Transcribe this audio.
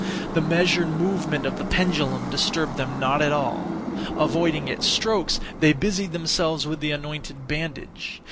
The measured movement of the pendulum disturbed them not at all. Avoiding its strokes they busied themselves with the anointed bandage.